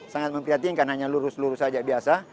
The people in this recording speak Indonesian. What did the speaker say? sangat memprihatinkan hanya lurus lurus saja biasa